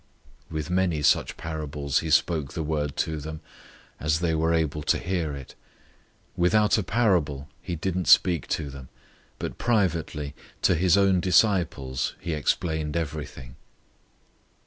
004:033 With many such parables he spoke the word to them, as they were able to hear it. 004:034 Without a parable he didn't speak to them; but privately to his own disciples he explained everything.